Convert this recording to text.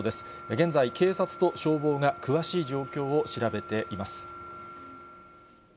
現在、警察と消防が詳しい状況を調べています。